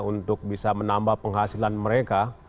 untuk bisa menambah penghasilan mereka